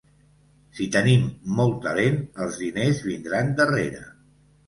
Si tenim molt talent, els diners vindran darrere.